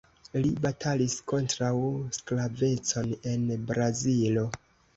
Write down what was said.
Li batalis kontraŭ sklavecon en Brazilo.